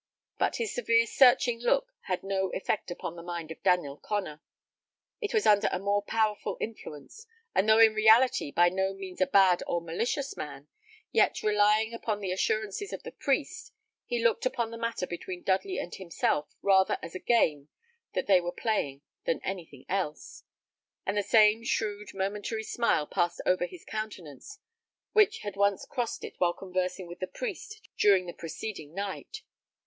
But his severe searching look had no effect upon the mind of Daniel Connor. It was under a more powerful influence; and though in reality by no means a bad or malicious man, yet, relying upon the assurances of the priest, he looked upon the matter between Dudley and himself rather as a game that they were playing than anything else; and the same shrewd, momentary smile passed over his countenance which had once crossed it while conversing with the priest during the preceding night.